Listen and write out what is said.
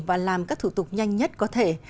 và làm các thủ tục nhanh nhất có thể